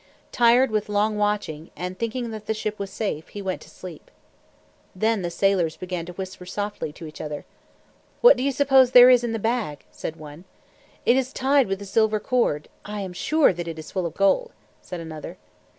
Tired with long watching, and thinking that the ship was safe, he went to sleep. Then the sailors began to whisper softly to each other. "What do you suppose there is in the bag?" said one. "It is tied with a silver cord. I am sure that it is full of gold," said another.